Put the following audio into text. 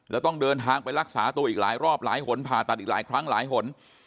แล้วต้องเดินทางไปรักษาตัวอีกหลายรอบหลายหนผ่าตัดอีกหลายครั้งหลายหน